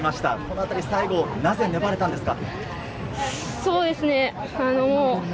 再び最後、なぜ粘れたんですか？